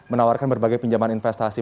menawarkan berbagai pinjaman investasi